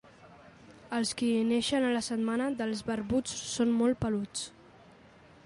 Els qui neixen a la setmana dels barbuts són molt peluts.